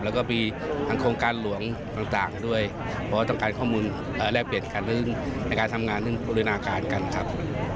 แล้วก็มีทางโครงการหลวงต่างด้วยเพราะต้องการข้อมูลแลกเปลี่ยนการทำงานร่วมกันครับ